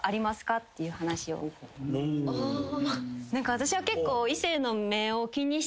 私は結構。